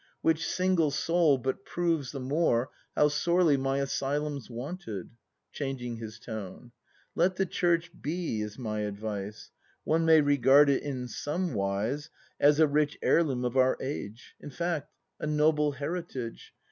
] (Which single soul but proves the more How sorely my Asylum's wanted.) [Changing his tone.] Let the Church be, is my advice. One may regard it, in some wise, As a rich heirloom of our age; In fact, a noble heritage.